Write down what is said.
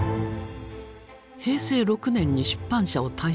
平成６年に出版社を退職。